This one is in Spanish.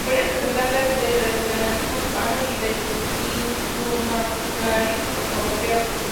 Fue representante del tradicionalismo hispano y del iusnaturalismo europeo.